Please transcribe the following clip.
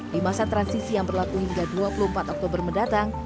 di masa transisi yang berlaku hingga dua puluh empat oktober mendatang